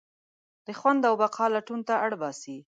د خوند او بقا لټون ته اړباسي.